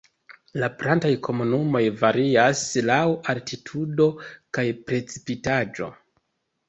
La plantaj komunumoj varias laŭ altitudo kaj precipitaĵo.